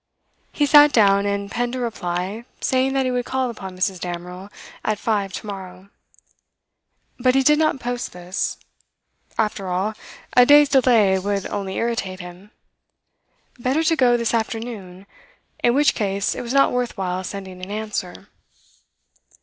He sat down and penned a reply, saying that he would call upon Mrs. Damerel at five to morrow. But he did not post this. After all, a day's delay would only irritate him; better to go this afternoon, in which case it was not worth while sending an answer.